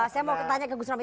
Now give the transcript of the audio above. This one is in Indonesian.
saya mau tanya ke gus romi